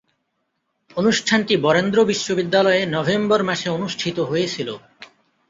অনুষ্ঠানটি বরেন্দ্র বিশ্ববিদ্যালয়ে নভেম্বর মাসে অনুষ্ঠিত হয়েছিলো।